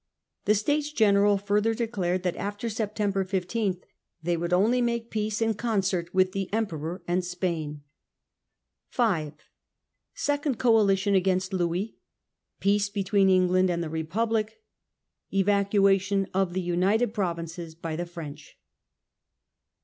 The States General further declared that after September 15 they would only make peace in concert with the Emperor and Spain. 5. Second Coalition against Louis. Peace between England and the Republic. Evacuation of the United Provinces by the French.